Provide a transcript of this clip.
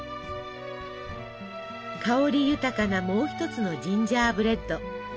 香り豊かなもう一つのジンジャーブレッド。